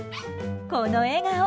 この笑顔。